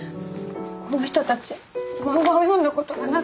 この人たち漫画を読んだことがなくて。